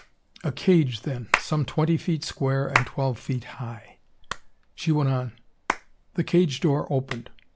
A cage, then, some twenty feet square and twelve feet high. She went on: "The cage door opened.